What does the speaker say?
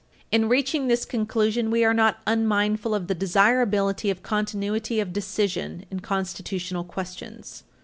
In reaching this conclusion, we are not unmindful of the desirability of continuity of decision in constitutional questions.